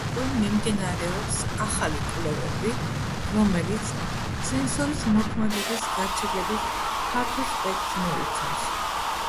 უკვე მიმდინარეობს ახალი კვლევები, რომელიც სენსორის მოქმედების გაცილებით ფართო სპექტრს მოიცავს.